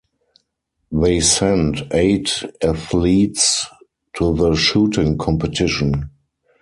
They sent eight athletes to the shooting competition.